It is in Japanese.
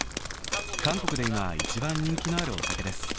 韓国で今、一番人気のあるお酒です。